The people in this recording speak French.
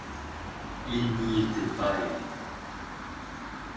Il n’y était pas aimé.